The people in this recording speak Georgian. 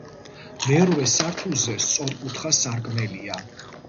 მერვე სართულზე სწორკუთხა სარკმელია.